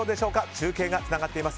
中継がつながっています。